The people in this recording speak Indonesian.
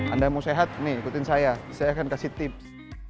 anda mau sehat nih ikutin saya saya akan kasih tips